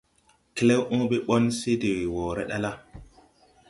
Klɛw õõbe ɓɔn se de wɔɔre ɗa la,